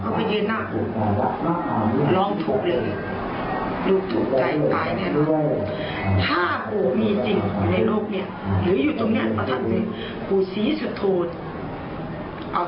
ไม่ให้เด็กขับ